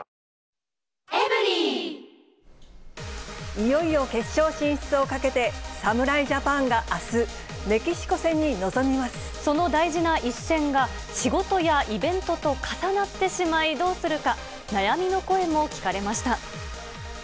いよいよ決勝進出をかけて、侍ジャパンがあす、その大事な一戦が、仕事やイベントと重なってしまい、どうするか、悩みの声も聞かれました。